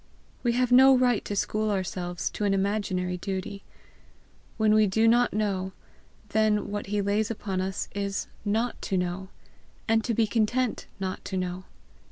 We have no right to school ourselves to an imaginary duty. When we do not know, then what he lays upon us is NOT TO KNOW, and to be content not to know.